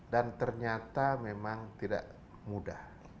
dan ternyata memang tidak mudah